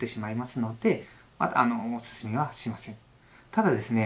ただですね